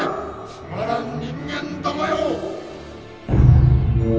つまらん人間どもよ！